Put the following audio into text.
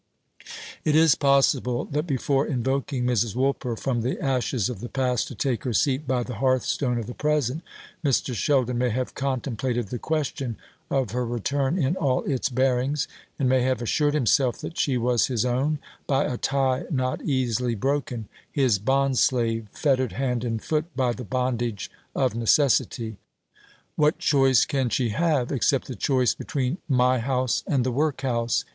It is possible that before invoking Mrs. Woolper from the ashes of the past to take her seat by the hearthstone of the present, Mr. Sheldon may have contemplated the question of her return in all its bearings, and may have assured himself that she was his own, by a tie not easily broken his bond slave, fettered hand and foot by the bondage of necessity. "What choice can she have, except the choice between my house and the workhouse?"